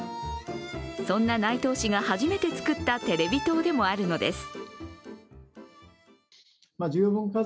そんな内藤氏が初めてつくったテレビ塔でもあるのです。